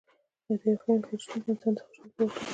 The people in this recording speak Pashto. د یو ښه ملګري شتون د انسان د خوشحالۍ سبب ګرځي.